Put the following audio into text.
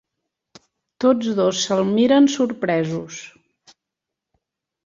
Tots dos se'l miren sorpresos.